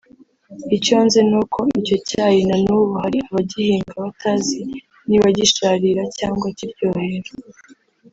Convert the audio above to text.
icyo nzi nuko icyo cyayi nanubu hari abagihinga batazi niba gisharira cyangwa kiryohera